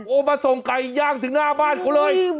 โอ้โหมาส่งไก่ย่างถึงหน้าบ้านเขาเลย